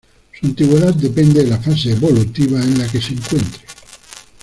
Su antigüedad depende de la fase evolutiva en la que se encuentre.